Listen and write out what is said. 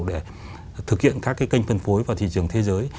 để thực hiện các cái kênh phân phối vào thị trường thế giới